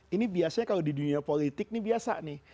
ini biasanya kalau di dunia politik ini biasa nih